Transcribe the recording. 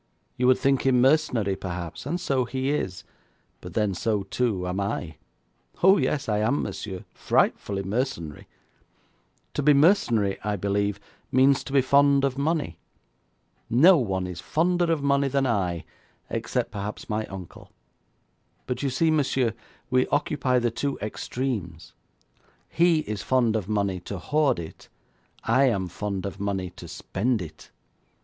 You would think him mercenary, perhaps, and so he is; but then so, too, am I. Oh, yes, I am, monsieur, frightfully mercenary. To be mercenary, I believe, means to be fond of money. No one is fonder of money than I, except, perhaps, my uncle; but you see, monsieur, we occupy the two extremes. He is fond of money to hoard it; I am fond of money to spend it.